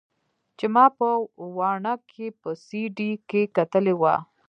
چې ما په واڼه کښې په سي ډي کښې کتلې وه.